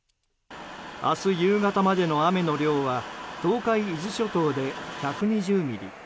明日夕方までの雨の量は東海・伊豆諸島で１２０ミリ